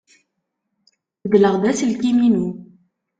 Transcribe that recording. Beddleɣ-d aselkim-inu.